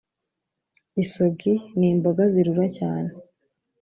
Isogi ni imboga zirura cyane